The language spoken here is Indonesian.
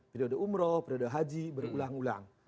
periode umroh periode haji berulang ulang